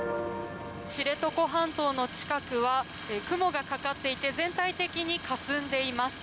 知床半島の近くは雲がかかっていて全体的にかすんでいます。